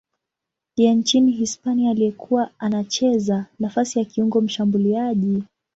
ya nchini Hispania aliyekuwa anacheza nafasi ya kiungo mshambuliaji.